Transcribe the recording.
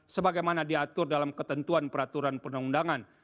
sebagaimana diatur dalam ketentuan peraturan perundangan